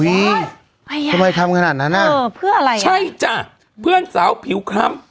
ทำไมทำขนาดนั้นอ่ะเออเพื่ออะไรใช่จ้ะเพื่อนสาวผิวคล้ำ